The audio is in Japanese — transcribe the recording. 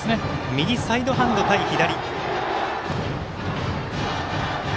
右サイドハンド対左。